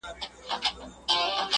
سپوږمۍ کي هم سته توسيرې، راته راوبهيدې